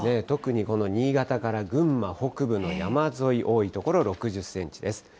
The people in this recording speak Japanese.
特に、この新潟から群馬北部の山沿い、多い所、６０センチです。